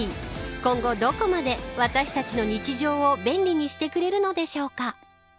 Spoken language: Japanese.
今後どこまで私たちの日常を便利にしてくれるのでしょうか。